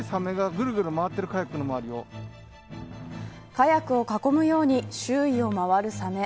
カヤックを囲むように周囲を回るサメ。